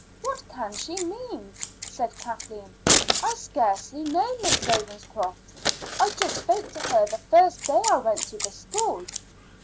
"What can she mean?" said Kathleen. "I scarcely know Miss Ravenscroft. I just spoke to her the first day I went to the school."